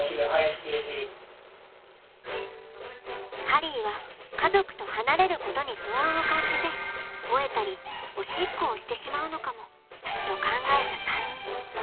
ハリーは家族と離れることに不安を感じて吠えたりおしっこをしてしまうのかもと考えた３人。